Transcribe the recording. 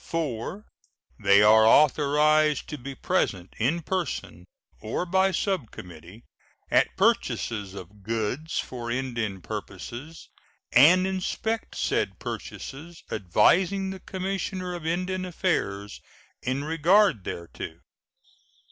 4. They are authorized to be present, in person or by subcommittee, at purchases of goods for Indian purposes, and inspect said purchases, advising the Commissioner of Indian Affairs in regard thereto.